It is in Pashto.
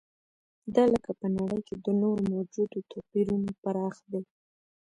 دا لکه په نړۍ کې د نورو موجودو توپیرونو پراخ دی.